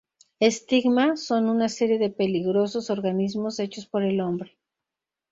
Stigma son una serie de peligrosos organismos hechos por el hombre.